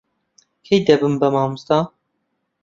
کەی دەبمە مامۆستا؟